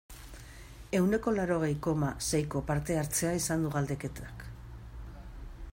Ehuneko laurogei, koma, seiko parte-hartzea izan du galdeketak.